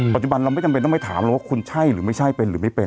ปัจจุบันเราไม่จำเป็นต้องไปถามเลยว่าคุณใช่หรือไม่ใช่เป็นหรือไม่เป็น